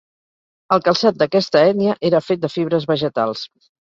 El calçat d'aquesta ètnia era fet de fibres vegetals.